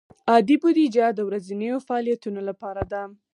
عادي بودیجه د ورځنیو فعالیتونو لپاره ده.